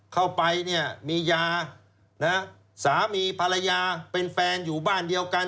เข้าไปเนี่ยมียาสามีภรรยาเป็นแฟนอยู่บ้านเดียวกัน